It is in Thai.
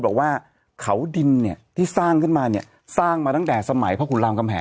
บอกว่าเขาดินเนี่ยที่สร้างขึ้นมาเนี่ยสร้างมาตั้งแต่สมัยพระคุณรามกำแห